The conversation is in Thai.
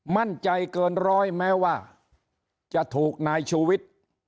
มั่นใจเกินร้อยแม้ว่าจะถูกนายชูวิทย์